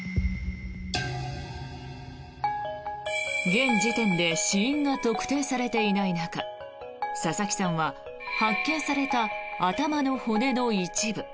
現時点で死因が特定されていない中佐々木さんは発見された頭の骨の一部。